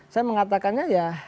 saya mengatakannya ya